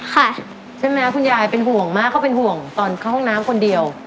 ใช่ไหมคุณยายเป็นห่วงมากเขาเป็นห่วงตอนเข้าห้องน้ำคนเดียว